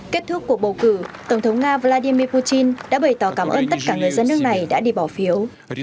kết thúc cuộc bầu cử tổng thống nga vladimir putin đã bày tỏ cảm ơn tất cả người dân nước này đã đi bỏ phiếu